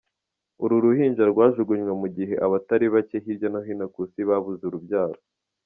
Uru ruhinja rwajugunywe mu gihe abatari bake hirya no hino ku Isi babuze urubyaro.